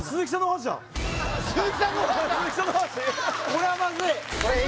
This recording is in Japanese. これはまずい！